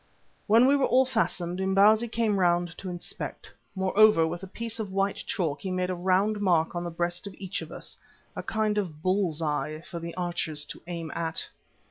When we were all fastened, Imbozwi came round to inspect. Moreover, with a piece of white chalk he made a round mark on the breast of each of us; a kind of bull's eye for the archers to aim at.